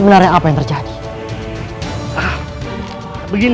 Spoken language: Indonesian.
raden jangan panggil hamba paman